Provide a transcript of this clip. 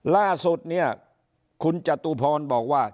ล่าสุดเนี่ยคุณจตุพรบอกว่า